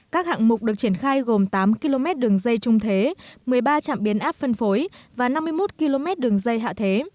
các hạng mục được triển khai gồm tám km đường dây trung thế một mươi ba trạm biến áp phân phối và năm mươi một km đường dây hạ thế